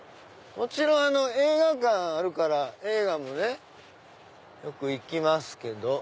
もちろん映画館あるから映画もねよく行きますけど。